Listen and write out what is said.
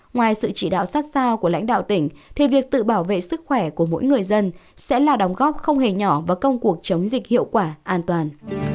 ngoài sự chỉ đạo sát sao của lãnh đạo tỉnh thì việc tự bảo vệ sức khỏe của mỗi người dân sẽ là đóng góp không hề nhỏ vào công cuộc chống dịch hiệu quả an toàn